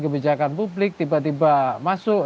kebijakan publik tiba tiba masuk